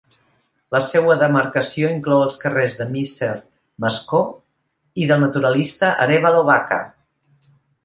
La seua demarcació inclou els carrers de Misser Mascó i del Naturalista Arévalo Baca.